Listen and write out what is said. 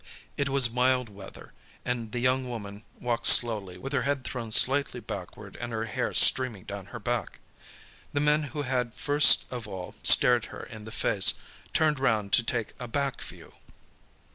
It was mild weather, and the young woman walked slowly, with her head thrown slightly backward and her hair streaming down her back. The men who had first of all stared her in the face, turned round to take a back view.